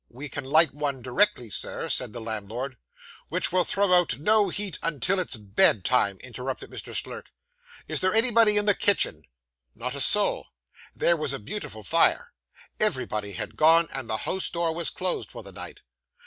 'We can light one directly, Sir,' said the landlord. 'Which will throw out no heat until it is bed time,' interrupted Mr. Slurk. 'Is there anybody in the kitchen?' Not a soul. There was a beautiful fire. Everybody had gone, and the house door was closed for the night.